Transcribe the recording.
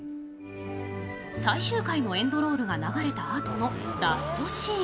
最終回のエンドロールが流れたあとのラストシーン。